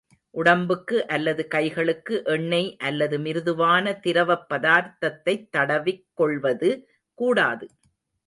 உடம்புக்கு அல்லது கைகளுக்கு எண்ணெய் அல்லது மிருதுவான திரவப் பதார்த்தத்தைத் தடவிக் கொள்வது கூடாது.